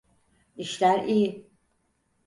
İşler iyi.